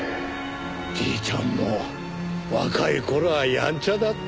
じいちゃんも若い頃はやんちゃだった。